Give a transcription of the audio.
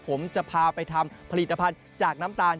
ผมจะพาไปทำผลิตภัณฑ์จากน้ำตาล